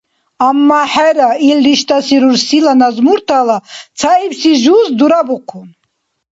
Амма, хӏера, ил риштӏаси рурсила назмуртала цаибси жуз дурабухъун.